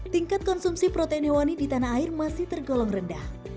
tingkat konsumsi protein hewani di tanah air masih tergolong rendah